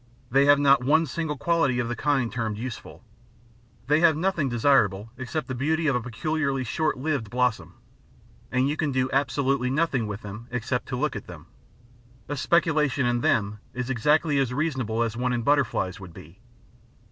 They have not one single quality of the kind termed useful. They have nothing desirable except the beauty of a peculiarly short lived blossom. You can do absolutely nothing with them except to look at them. A speculation in them is exactly as reasonable as one in butterflies would be.